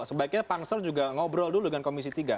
sebaiknya pansel juga ngobrol dulu dengan komisi tiga